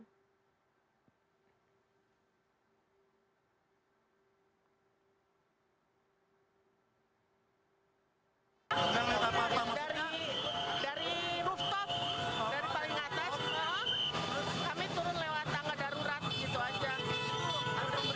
tangan darurat gitu aja